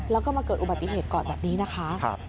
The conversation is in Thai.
แล้วก็มาเกิดอุบัติเหตุก่อนแบบนี้นะคะ